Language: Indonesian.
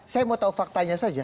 saya mau tahu faktanya saja